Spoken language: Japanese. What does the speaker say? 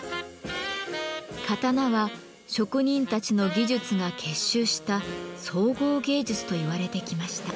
刀は職人たちの技術が結集した「総合芸術」と言われてきました。